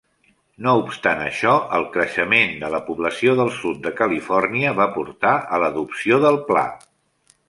No obstant això, el creixement de la població del sud de Califòrnia va portar a l'adopció del pla.